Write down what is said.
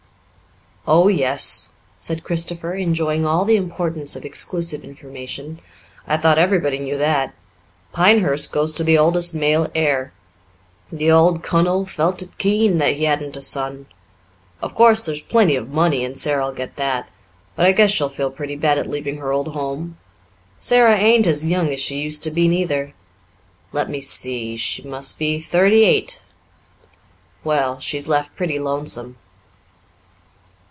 "Oh, yes," said Christopher, enjoying all the importance of exclusive information. "I thought everybody knew that. Pinehurst goes to the oldest male heir. The old kunnel felt it keen that he hadn't a son. Of course, there's plenty of money and Sara'll get that. But I guess she'll feel pretty bad at leaving her old home. Sara ain't as young as she used to be, neither. Let me see she must be thirty eight. Well, she's left pretty lonesome."